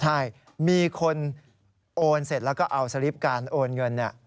ใช่มีคนโอนเสร็จแล้วก็เอาสลิปการโอนเงิน